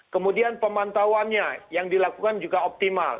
kemudian pemantauannya yang dilakukan juga optimal